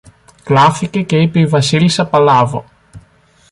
κλαύθηκε και είπε η Βασίλισσα Παλάβω.